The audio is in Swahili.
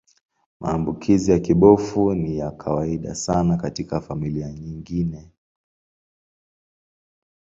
Maambukizi ya kibofu ni ya kawaida sana katika familia nyingine.